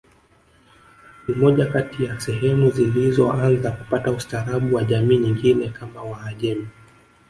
Ni moja kati ya sehemu zilizoanza kupata ustaarabu wa jamii nyingine kama wahajemi